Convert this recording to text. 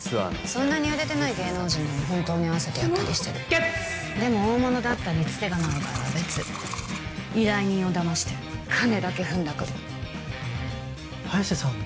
そんなに売れてない芸能人なら本当に会わせてやったりしてるでも大物だったり伝手がない場合は別依頼人を騙して金だけふんだくる早瀬さん